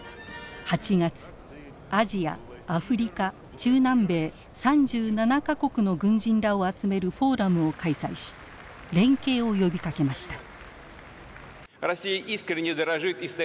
８月アジア・アフリカ・中南米３７か国の軍人らを集めるフォーラムを開催し連携を呼びかけました。